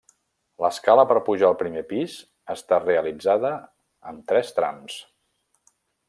L'escala per pujar al primer pis està realitzada amb tres trams.